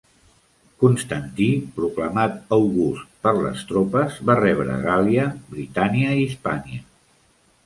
Constantí, proclamat "August" per les tropes, va rebre Gàl·lia, Britània i Hispània.